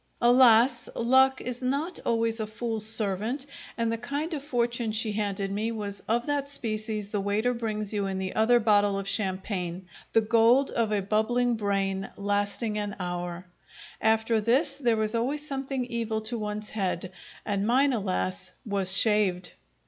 Alas! Luck is not always a fool's servant, and the kind of fortune she handed me was of that species the waiter brings you in the other bottle of champagne, the gold of a bubbling brain, lasting an hour. After this there is always something evil to one's head, and mine, alas! was shaved.